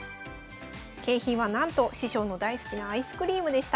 景品はなんと師匠の大好きなアイスクリームでした。